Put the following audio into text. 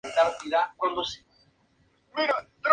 Actualmente tiene prohibido operar dentro de la Unión Europea.